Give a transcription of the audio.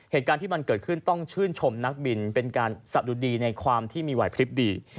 เหตุการณ์ที่มันเกิดขึ้นต้องชื่นชมนักบินเป็นการสะดุดีในความที่มีไหวพลิบดี